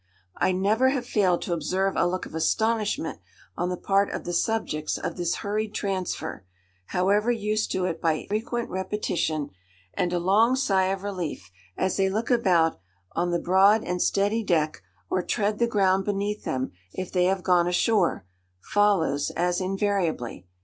I never have failed to observe a look of astonishment on the part of the subjects of this hurried transfer, however used to it by frequent repetition; and a long sigh of relief, as they look about on the broad and steady deck, or tread the ground beneath them if they have gone ashore, follows as invariably.